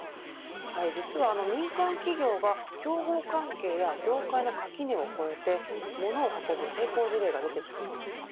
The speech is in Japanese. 実は民間企業が競合関係や業界の垣根を越えてものを運ぶ成功事例が出てきています。